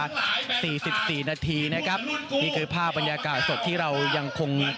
สี่สิบสี่นาทีนะครับนี่คือภาพบรรยากาศสดที่เรายังคง